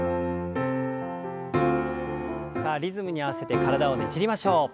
さあリズムに合わせて体をねじりましょう。